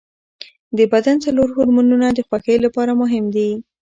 د بدن څلور هورمونونه د خوښۍ لپاره مهم دي.